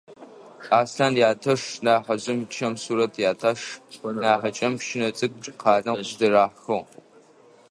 Аслъан ятэш нахьыжъым чэм сурэт, ятэш нахьыкӏэм пщынэ цӏыкӏу къалэм къыздырахыгъ.